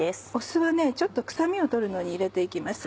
酢はちょっと臭みを取るのに入れて行きます。